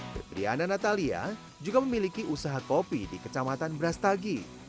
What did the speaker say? debriana natalia juga memiliki usaha kopi di kecamatan brastagi